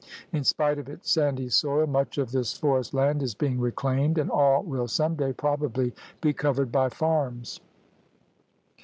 In spite of its sandy soil, much of this forest land is being reclaimed, and all will some day probably be covered by farms.